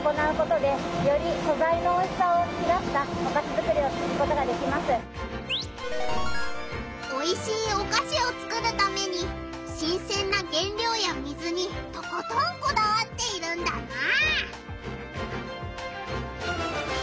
よりおいしいおかしをつくるために新せんな原料や水にとことんこだわっているんだな。